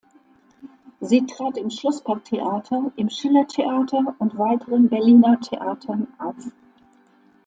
Sie trat im Schlossparktheater, im Schillertheater und weiteren Berliner Theatern auf.